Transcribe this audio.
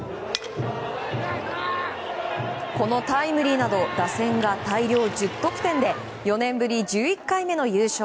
このタイムリーなど打線が大量１０得点で４年ぶり１１回目の優勝。